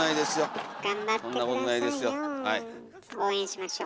応援しましょう。